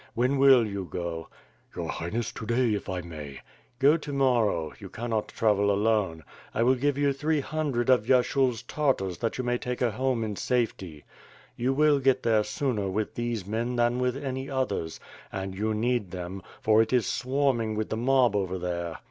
When will you go?" "Your Highness, to day if I may." "Go to morrow. You cannot travel alone. I will give you three hundred of Vyershul's Tartars that you may take her home in safety. You will get there sooner with these men than with any others; and you need them, for it is swarming with the mob over there.